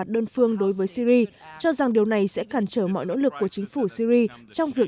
đơn phương đối với syri cho rằng điều này sẽ cản trở mọi nỗ lực của chính phủ syri trong việc